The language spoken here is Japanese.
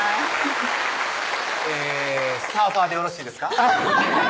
えぇサーファーでよろしいですか？